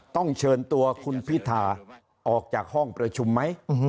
ต้องเชิญตัวคุณพิธาออกจากห้องประชุมไหม